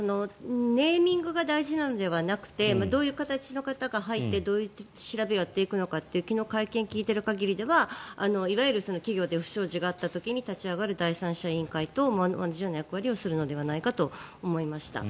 ネーミングが大事なのではなくてどういう形の方が入ってどういう調べをやっていくかという昨日、会見を聞いている限りではいわゆる企業で不祥事があった時に立ち上がる第三者委員会と同じような役割をするんじゃないかと思いました。